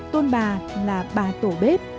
tôn bà là bà tổ bếp